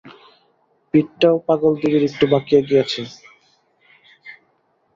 পিঠটাও পাগলদিদির একটু বাকিয়া গিয়াছে।